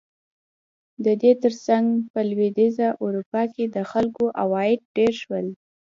د دې ترڅنګ په لوېدیځه اروپا کې د خلکو عواید ډېر شول.